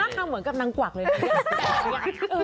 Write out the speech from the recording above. พูดชะมัดค่ะเหมือนกับนางกวากเลยนะ